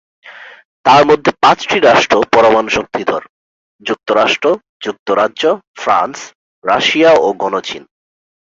তার মধ্যে পাঁচটি রাষ্ট্র পরমাণু শক্তিধর: যুক্তরাষ্ট্র, যুক্তরাজ্য, ফ্রান্স, রাশিয়া ও গণচীন।